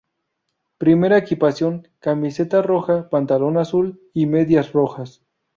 Primera equipación: camiseta roja, pantalón azul y medias rojas.